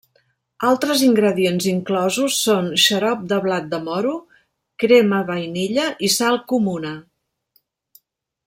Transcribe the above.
Altres ingredients inclosos són xarop de blat de moro, crema, vainilla i Sal comuna.